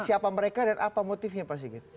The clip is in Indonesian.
siapa mereka dan apa motifnya pak sigit